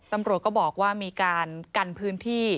ตำรวจก็บอกว่ามีการกันพื้นที่